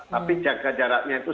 tapi jaga jaraknya itu